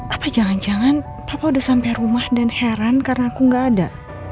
apa jangan jangan papa udah sampai rumah dan heran karena aku gak ada